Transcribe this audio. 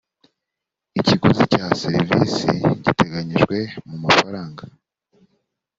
ikiguzi cya serivisi giteganyijwe mu mafaranga